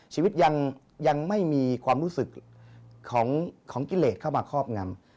ชีวิตยังไม่มีความรู้สึกของกิเลสเข้ามาครอบงำ